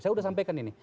saya sudah sampaikan ini